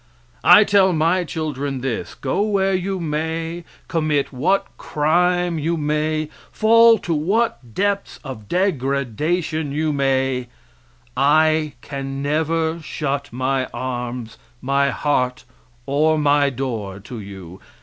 I tell yon my children this: Go where you may, commit what crime you may, fall to what depths of degradation you may, I can never shut my arms, my heart or my door to you.